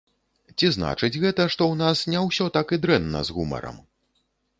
Ці значыць гэта, што ў нас не ўсё так і дрэнна з гумарам?